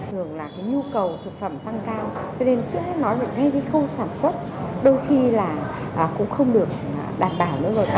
thường là cái nhu cầu thực phẩm tăng cao cho nên trước hết nói được ngay cái khâu sản xuất đôi khi là cũng không được đảm bảo nữa rồi